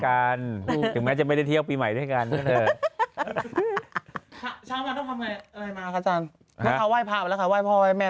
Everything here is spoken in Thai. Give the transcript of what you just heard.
การถึงแม้จะไม่ได้เที่ยวปีใหม่ด้วยกันเลยว่าพ่อแล้วว่างาน